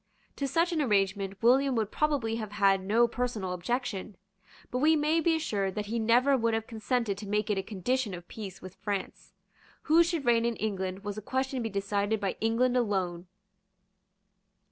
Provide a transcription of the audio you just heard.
To such an arrangement William would probably have had no personal objection. But we may be assured that he never would have consented to make it a condition of peace with France. Who should reign in England was a question to be decided by England alone.